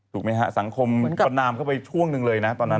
ถูกมีฆ่าสังคมตอนนามเข้าไปช่วงนึงเลยนะตอนนั้น